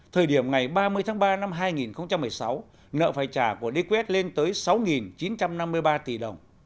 thời điểm ngày ba mươi tháng ba năm hai nghìn một mươi sáu nợ phải trả của đế quét lên tới sáu chín trăm năm mươi ba tỷ đồng